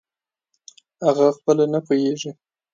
اغه خپله نه پییږي